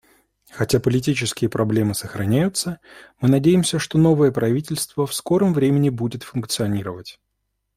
Хотя политические проблемы сохраняются, мы надеемся, что новое правительство в скором времени будет функционировать.